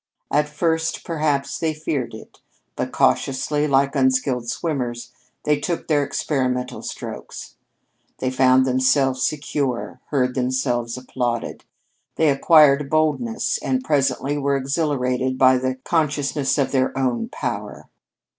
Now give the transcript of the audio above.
At first, perhaps, they feared it; but cautiously, like unskilled swimmers, they took their experimental strokes. They found themselves secure; heard themselves applauded. They acquired boldness, and presently were exhilarated by the consciousness of their own power.